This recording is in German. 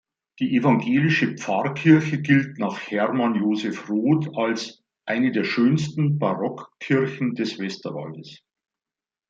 Die evangelische Pfarrkirche gilt nach Hermann-Josef Roth als „eine der schönsten Barockkirchen des Westerwaldes“.